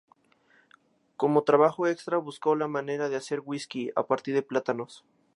Como trabajo extra, buscó la manera de hacer whisky a partir de plátanos.